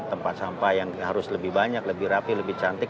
tempat sampah yang harus lebih banyak lebih rapi lebih cantik